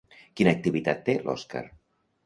Quina activitat té l'Òscar?